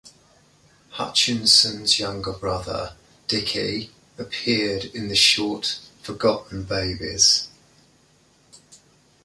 Hutchins's younger brother Dickie appeared in the short "Forgotten Babies".